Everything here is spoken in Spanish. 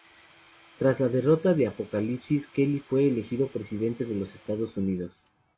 Tras la derrota de Apocalipsis, Kelly fue elegido Presidente de los Estados Unidos.